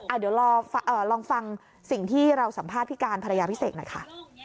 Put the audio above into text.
เดี๋ยวลองฟังสิ่งที่เราสัมภาษณ์พี่การภรรยาพี่เสกหน่อยค่ะ